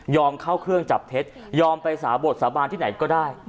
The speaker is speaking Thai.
เข้าเครื่องจับเท็จยอมไปสาบดสาบานที่ไหนก็ได้